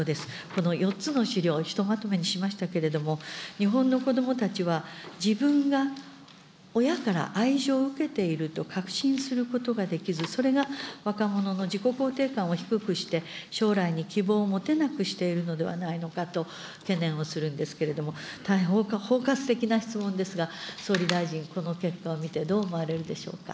この４つの資料、ひとまとめにしましたけれども、日本の子どもたちは、自分が親から愛情を受けていると確信することができず、それが若者の自己肯定感を低くして、将来に希望を持てなくしているのではないかと懸念をするんですけれども、大変包括的な質問ですが、総理大臣、この結果を見て、どう思われるでしょうか。